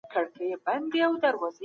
هغه د ټولنیز بدلون نښه ویني.